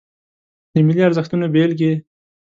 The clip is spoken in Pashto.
د ملي ارزښتونو بیلګې